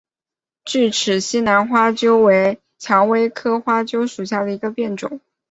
巨齿西南花楸为蔷薇科花楸属下的一个变种。